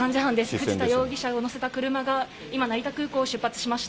藤田容疑者を乗せた車が今、成田空港を出発しました。